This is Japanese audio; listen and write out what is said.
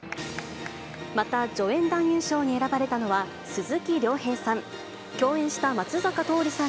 また、助演男優賞に選ばれたのは鈴木亮平さん。